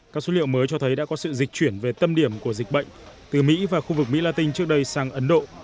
các số liệu mới cho thấy đã có sự dịch chuyển về tâm điểm của dịch bệnh từ mỹ và khu vực mỹ latin trước đây sang ấn độ